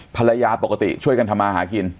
ภรรยาปกติช่วยกันทำมาหากิน